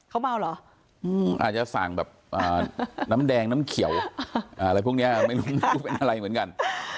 เขาเมาเหรออาจจะสั่งแบบน้ำแดงน้ำเขียวอะไรพวกนี้ไม่รู้ไม่รู้เป็นอะไรเหมือนกัน